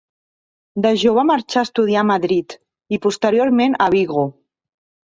De jove marxà a estudiar a Madrid i posteriorment a Vigo.